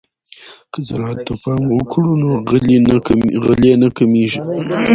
که زراعت ته پام وکړو نو غلې نه کمیږي.